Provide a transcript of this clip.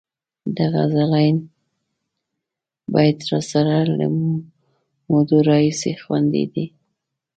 د غزلبڼ بیت راسره له مودو راهیسې خوندي دی.